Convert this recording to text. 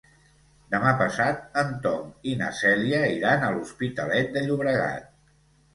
Demà passat en Tom i na Cèlia iran a l'Hospitalet de Llobregat.